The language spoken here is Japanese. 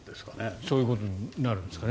そういうことになるんですかね。